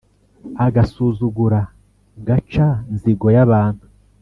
agasuzugura gaca nzigo yabantu